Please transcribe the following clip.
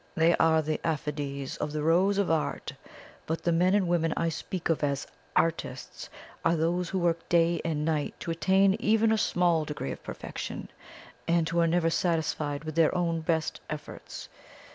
They are the aphides on the rose of art. But the men and women I speak of as ARTISTS are those who work day and night to attain even a small degree of perfection, and who are never satisfied with their own best efforts.